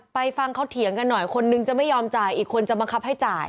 ฟังเขาเถียงกันหน่อยคนนึงจะไม่ยอมจ่ายอีกคนจะบังคับให้จ่าย